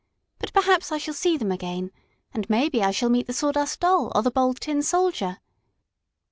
But perhaps I shall see them again, and maybe I shall meet the Sawdust Doll or the Bold Tin Soldier."